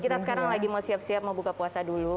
kita sekarang lagi mau siap siap mau buka puasa dulu